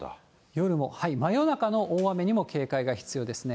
夜も、真夜中の大雨にも警戒が必要ですね。